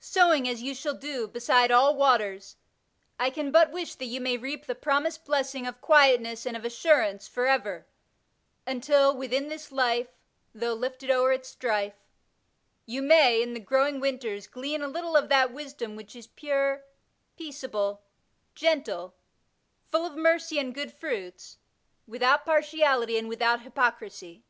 Sowing as you shall do beside all waters, I can but wish that you may reap the promised blessing of quietness and of assur ance forever, until Within this life^ Though lifted o'er its strife; you may, in the growing winters, glean a little of that wisdom which is pure, peaceable, gentle, full of mercy and good fruits, without partiality and without hypocrisy.